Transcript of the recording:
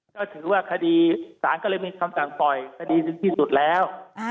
ก็ถือว่าคดีศาลก็เลยมีคำสั่งปล่อยคดีถึงที่สุดแล้ว